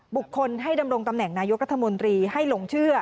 บุคคลให้ดำรงตำแหน่งนายกรัฐมนตรีให้หลงเชื่อ